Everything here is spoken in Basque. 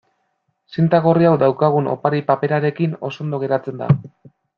Zinta gorri hau daukagun opari-paperarekin oso ondo geratzen da.